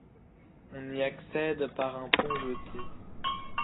On y accède par un pont-jetée.